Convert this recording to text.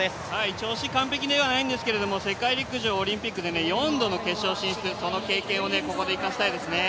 調子完璧ではないんですけど世界陸上、オリンピックで４度の決勝進出、その経験をここで生かしたいですね。